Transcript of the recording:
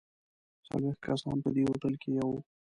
څلوېښت کسان په دې هوټل کې یو.